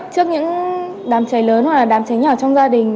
trước những đám cháy lớn hoặc là đám cháy nhỏ trong gia đình